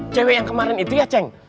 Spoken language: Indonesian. cewek yang kemarin itu ya ceng